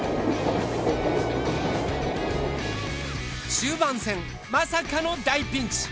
終盤戦まさかの大ピンチ。